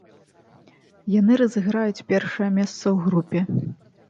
Яны разыграюць першае месца ў групе.